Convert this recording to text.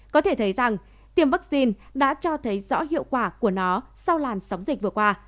có thể thấy rằng tiềm vaccine đã cho thấy rõ hiệu quả của nó sau làn sóng dịch vừa qua